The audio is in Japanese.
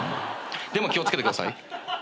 でも気を付けてください。